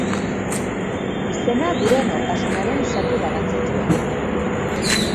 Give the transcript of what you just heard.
Izena gure nortasunaren zati garrantzitsua da.